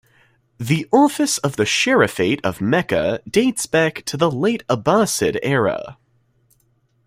The office of the Sharifate of Mecca dates back to the late Abbasid era.